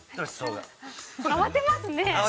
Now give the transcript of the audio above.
◆慌てますね。